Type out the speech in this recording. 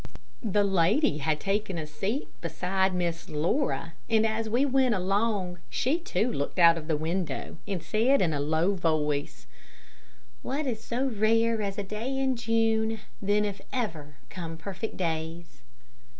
The lady had taken a seat beside Miss Laura, and as we went along, she too looked out of the window and said in a low voice: "What is so rare as a day in June, Then, if ever, come perfect days."